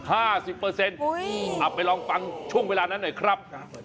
เอาไปลองฟังช่วงเวลานั้นหน่อยครับ